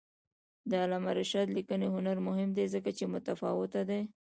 د علامه رشاد لیکنی هنر مهم دی ځکه چې متفاوته دی.